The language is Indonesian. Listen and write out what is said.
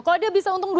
kalau dia bisa untung